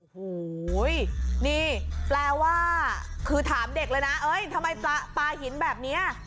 โอ้โหนี่แปลว่าคือถามเด็กเลยนะเอ้ยทำไมปลาหินแบบนี้